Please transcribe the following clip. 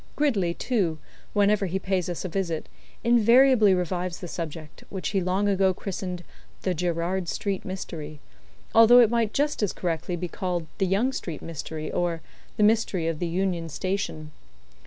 Gridley, too, whenever he pays us a visit, invariably revives the subject, which he long ago christened "The Gerrard Street Mystery," although it might just as correctly be called "The Yonge Street Mystery," or, "The Mystery of the Union Station."